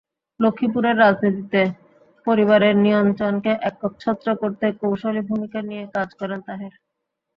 লক্ষ্মীপুরের রাজনীতিতে পরিবারের নিয়ন্ত্রণকে একচ্ছত্র করতে কৌশলী ভূমিকা নিয়ে কাজ করেন তাহের।